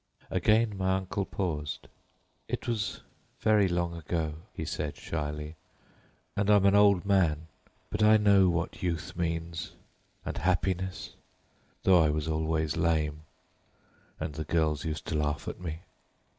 Again my uncle paused. "It's very long ago," he said slowly, "and I'm an old man; but I know what youth means, and happiness, though I was always lame, and the girls used to laugh at me.